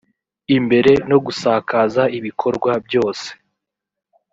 imbere no gusakaza ibikorwa byose